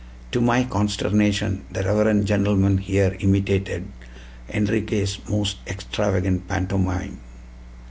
To my consternation the reverend gentleman here imitated Enriquez' most extravagant pantomime.